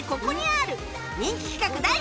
人気企画第２弾